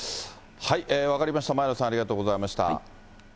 分かりました、前野さんありがとうございました。